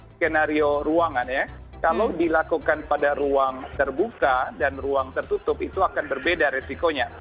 skenario ruangan ya kalau dilakukan pada ruang terbuka dan ruang tertutup itu akan berbeda resikonya